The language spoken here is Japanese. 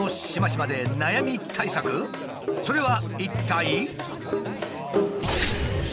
それは一体。